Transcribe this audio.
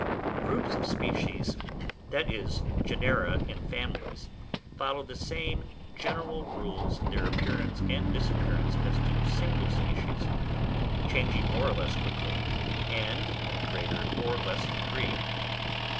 Groups of species, that is, genera and families, follow the same general rules in their appearance and disappearance as do single species, changing more or less quickly, and in a greater or lesser degree.